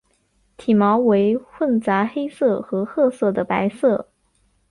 体毛为混杂黑色和褐色的白色。